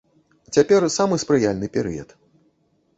Цяпер самы спрыяльны перыяд.